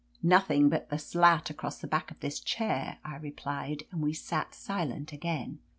"Nothing but the slat across the back of this chair," I replied, and we sat silent again.